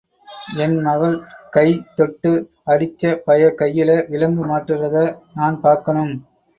என் மகள கை தொட்டு அடிச்ச பய கையில விலங்கு மாட்டுறத நான் பாக்கணும்.